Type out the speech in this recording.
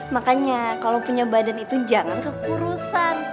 makanya kalau punya badan itu jangan kekurusan